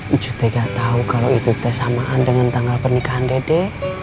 ibu gak tau kalau itu sama dengan tanggal pernikahan dede